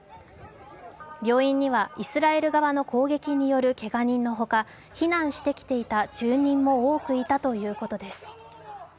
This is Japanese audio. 病院にはイスラエル側の攻撃によるけが人のほか避難してきていた住人も多くいたということです。